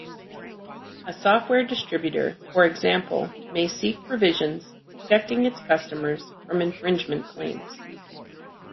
A software distributor, for example, may seek provisions protecting its customers from infringement claims.